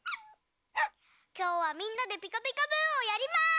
きょうはみんなで「ピカピカブ！」をやります！